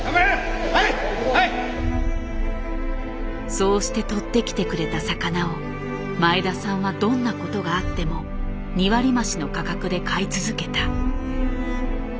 そうしてとってきてくれた魚を前田さんはどんなことがあっても２割増しの価格で買い続けた。